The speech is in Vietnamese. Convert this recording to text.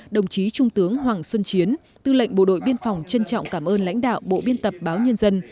đồng chí trung tướng hoàng xuân chiến tư lệnh bộ đội biên phòng trân trọng cảm ơn lãnh đạo bộ biên tập báo nhân dân